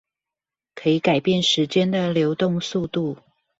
可以改變時間的流動速度